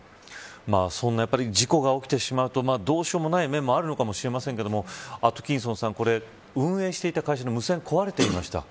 事故が起きてしまうとどうしようもない面もあるのかもしれませんがアトキンソンさん、これは運営していた会社の無線が壊れていました。